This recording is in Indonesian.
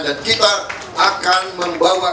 dan kita akan membawa